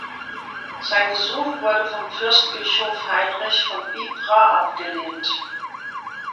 Sein Gesuch wurde vom Fürstbischof Heinrich von Bibra abgelehnt.